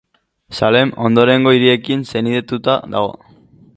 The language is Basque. Salem ondorengo hiriekin senidetuta dago.